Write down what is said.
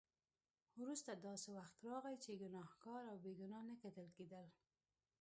وروسته داسې وخت راغی چې ګناهګار او بې ګناه نه کتل کېدل.